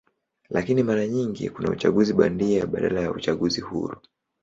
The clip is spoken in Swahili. Lakini mara nyingi kuna uchaguzi bandia badala ya uchaguzi huru.